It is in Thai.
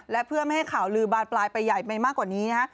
และเพื่อไม่ให้ข่าวลือบานปลายไปใหญ่ไปมากกว่านี้นะฮะ